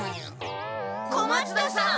小松田さん！